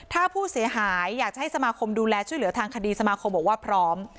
ถ้าผู้เสียหายอยากจะให้สมาคมดูแลช่วยเหลือทางคดีสมาคมบอกว่าพร้อม